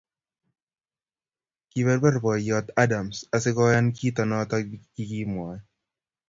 Kiberber boiyot Adams asigoyan kito noto kigimwae